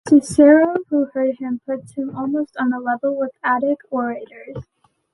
Cicero, who heard him, puts him almost on a level with the Attic orators.